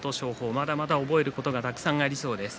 まだまだ覚えることがたくさんありそうです。